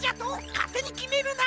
かってにきめるな！